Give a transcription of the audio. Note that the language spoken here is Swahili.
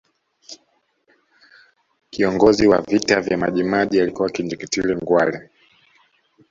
kiongozi wa vita vya majimaji alikuwa ni Kinjekitile ngwale